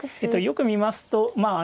よく見ますとまあ